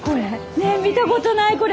ねえ見たことないこれ。